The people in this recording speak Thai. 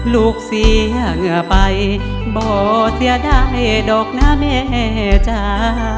ลูกเสียเหงื่อไปบ่อเสียดายดอกนะแม่จ้า